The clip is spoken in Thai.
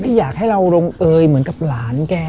อยากให้เราลงเอยเหมือนกับหลานแก